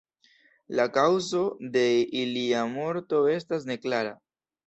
La kaŭzo de ilia morto estas neklara.